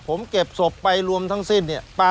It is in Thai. ผมเก็บศพไปรวมทั้งสิ้น